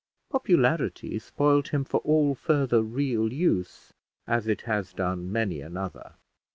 Popularity spoilt him for all further real use, as it has done many another.